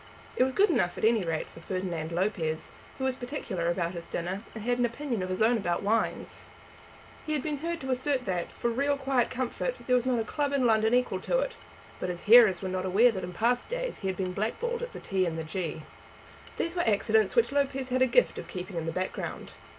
It was good enough at any rate for Ferdinand Lopez, who was particular about his dinner, and had an opinion of his own about wines. He had been heard to assert that, for real quiet comfort, there was not a club in London equal to it; but his hearers were not aware that in past days he had been blackballed at the T and the G . These were accidents which Lopez had a gift of keeping in the background.